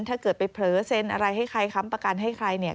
ถ้าเกิดไปเผลอเซ็นอะไรให้ใครค้ำประกันให้ใครเนี่ย